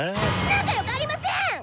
仲良くありません！